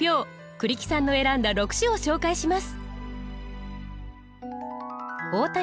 栗木さんの選んだ６首を紹介します。